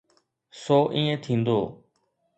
سو ائين ٿيندو.